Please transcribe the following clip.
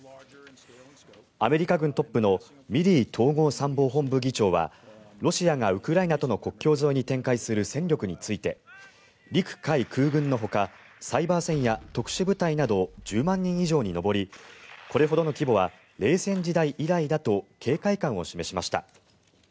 アメリカ軍トップのミリー統合参謀本部議長はロシアがウクライナとの国境沿いに展開する戦力について陸海空軍のほかサイバー戦や特殊部隊など１０万人以上に上りこれほどの規模は冷戦時代以来だと警戒感を示しました。